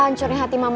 aku nunggu disini